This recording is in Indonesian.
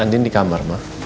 andien di kamar mak